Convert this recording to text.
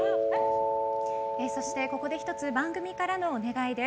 そしてここで番組から１つのお願いです。